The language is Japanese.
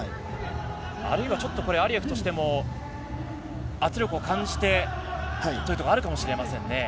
あるいはアリエフとしても、圧力を感じてというところがあるかもしれませんね。